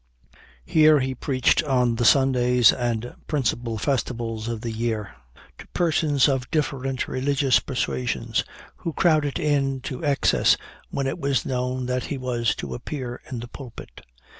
Here he preached on the Sundays and principal festivals of the year to persons of different religious persuasions who crowded it to excess when it was known that he was to appear in the pulpit.